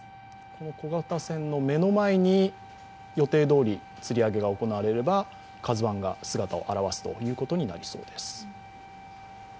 この小型船の目の前に予定どおりつり上げが行われれば「ＫＡＺＵⅠ」が姿を現すということになりそうです。